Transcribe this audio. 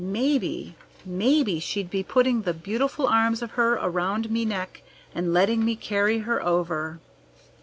Maybe maybe she'd be putting the beautiful arms of her around me neck and letting me carry her over!"